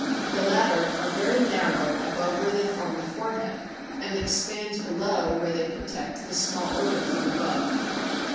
The latter are very narrow above where they form the forehead, and expand below where they protect the small orbit from above.